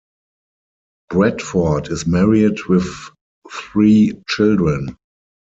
Bradford is married with three children.